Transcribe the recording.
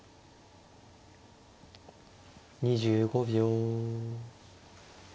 ２５秒。